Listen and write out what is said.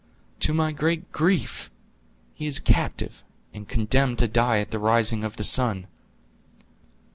"To my great grief! He is captive, and condemned to die at the rising of the sun."